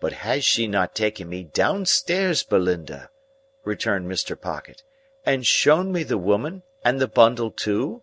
"But has she not taken me downstairs, Belinda," returned Mr. Pocket, "and shown me the woman, and the bundle too?"